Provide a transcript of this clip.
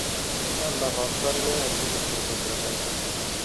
ته الله اکبر ووایه او زه در سره بدرګه کوم.